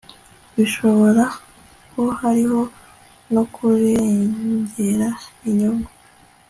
birashoboka ko harimo no kurengera inyungu